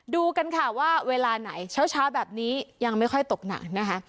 ดูกันค่ะว่าเวลาไหนเช้าแบบนี้ยังไม่ค่อยตกหนักนะคะ